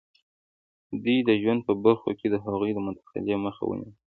دوی د ژوند په برخو کې د هغوی د مداخلې مخه ونیوله.